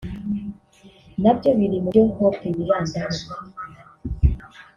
na byo biri mu byo Hope yibandaho